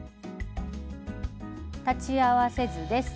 裁ち合わせ図です。